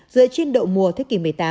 dựa trên độ mùa thế kỷ một mươi tám